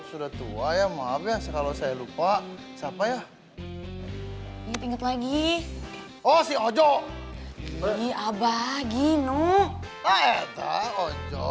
sudah tua ya maaf ya kalau saya lupa siapa ya inget inget lagi oh si ojo pergi abah gini ojo